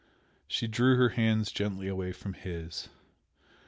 She drew her hands gently away from his.